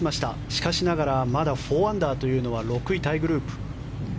しかしながらまだ４アンダーというのは６位タイグループ。